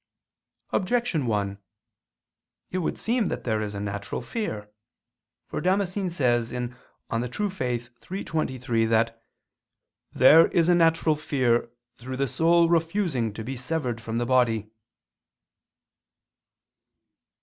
Objection 1: It would seem that there is a natural fear. For Damascene says (De Fide Orth. iii, 23) that "there is a natural fear, through the soul refusing to be severed from the body."